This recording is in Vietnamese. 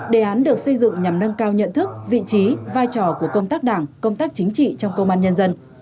đề án được xây dựng nhằm nâng cao nhận thức vị trí vai trò của công tác đảng công tác chính trị trong công an nhân dân